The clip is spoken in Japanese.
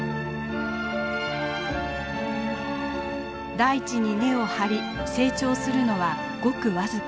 大地に根を張り成長するのはごく僅か。